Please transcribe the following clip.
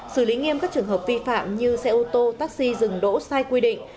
xử lý nghiêm các trường hợp vi phạm như xe ô tô taxi dừng đỗ sai quy định